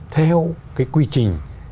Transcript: theo cái quy trình